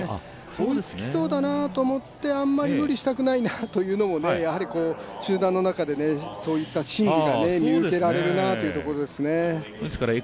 追いつきそうだなと思ってあんまり無理したくないなというのも集団の中でそういった心理が見受けられるなというところですね。